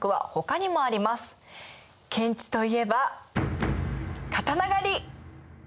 検地と言えば刀狩！